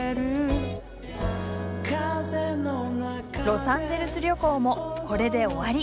ロサンゼルス旅行もこれで終わり。